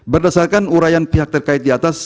berdasarkan urayan pihak terkait di atas